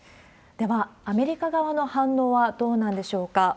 では、アメリカ側の反応はどうなんでしょうか。